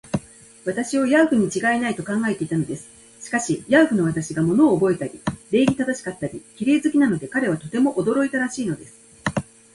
私をヤーフにちがいない、と考えていたのです。しかし、ヤーフの私が物をおぼえたり、礼儀正しかったり、綺麗好きなので、彼はとても驚いたらしいのです。